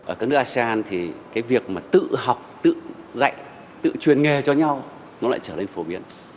ở các nước asean thì cái việc mà tự học tự dạy tự truyền nghề cho nhau nó lại trở lên phổ biến